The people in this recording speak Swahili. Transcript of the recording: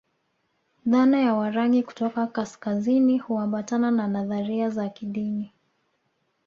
Dhana ya Warangi kutoka kaskazini huambatana na nadharia za kidini